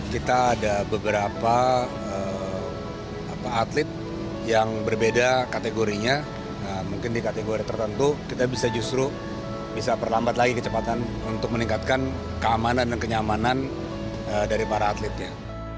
kita ada beberapa atlet yang berbeda kategorinya mungkin di kategori tertentu kita bisa justru bisa perlambat lagi kecepatan untuk meningkatkan keamanan dan kenyamanan dari para atletnya